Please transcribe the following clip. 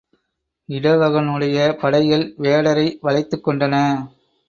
இடவகனுடைய படைகள் வேடரை வளைத்துக் கொண்டன.